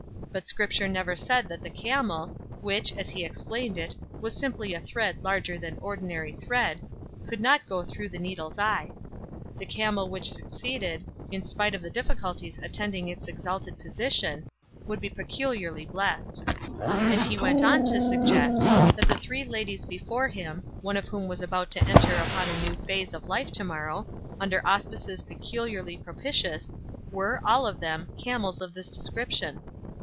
But Scripture never said that the camel, which, as he explained it, was simply a thread larger than ordinary thread, could not go through the needle's eye. The camel which succeeded, in spite of the difficulties attending its exalted position, would be peculiarly blessed. And he went on to suggest that the three ladies before him, one of whom was about to enter upon a new phase of life to morrow, under auspices peculiarly propitious, were, all of them, camels of this description.